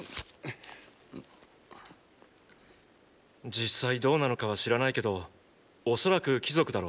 実際どうなのかは知らないけどおそらく貴族だろう。